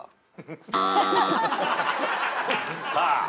さあ。